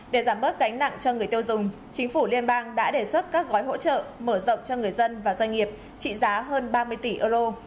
để giảm bớt gánh nặng cho người tiêu dùng chính phủ liên bang đã đề xuất các gói hỗ trợ mở rộng cho người dân và doanh nghiệp trị giá hơn ba mươi tỷ euro